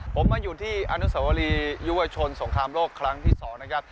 ผมมาอยู่ที่อนุสวรียุวชนสงครามโลกครั้งที่๒นะครับ